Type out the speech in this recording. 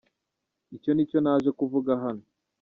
Icyo ni cyo naje kuvuga hano.